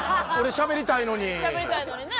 しゃべりたいのにね。